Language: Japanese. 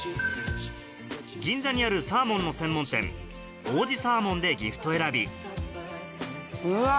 銀座にあるサーモンの専門店「王子サーモン」でギフト選びうわ